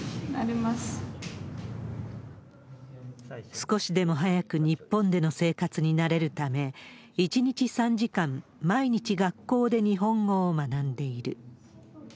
少しでも早く日本での生活に慣れるため、１日３時間、毎日学校で日本語を学んでいる。